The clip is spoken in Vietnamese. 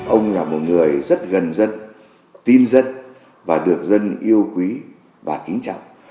ông là một người rất gần dân tin dân và được dân yêu quý và kính trọng